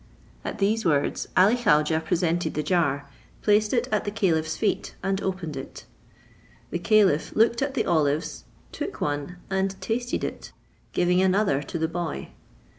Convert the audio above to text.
At these words Ali Khaujeh presented the jar, placed it at the caliph's feet, and opened it. The caliph looked at the olives, took one and tasted it, giving another to the boy.